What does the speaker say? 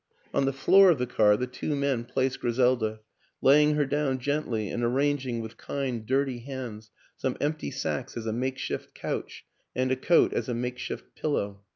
On the floor of the car the two men placed Gri selda, laying her down gently and arranging, with kind, dirty hands, some empty sacks as a make shift couch and a coat as a makeshift pillow.